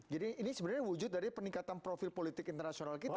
jadi ini sebenarnya wujud dari peningkatan profil politik internasional kita